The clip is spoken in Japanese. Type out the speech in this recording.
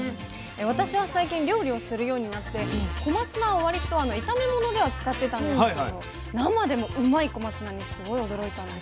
私は最近料理をするようになって小松菜を割と炒め物では使ってたんですけれど生でもうまい小松菜にすごい驚いたんです。